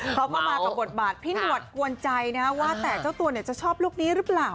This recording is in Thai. เขาก็มากับบทบาทพี่หนวดกวนใจนะว่าแต่เจ้าตัวจะชอบลูกนี้หรือเปล่า